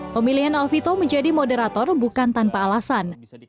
pemilihan alvito menjadi moderator bukan tanpa alasan